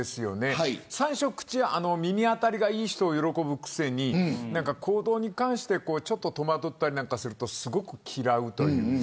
最初、耳当たりがいい人を喜ぶくせに行動に関してちょっと戸惑ったりするとすごく嫌うという。